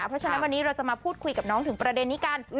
เพราะฉะนั้นวันนี้เราจะมาพูดคุยกับน้องถึงประเด็นนี้กัน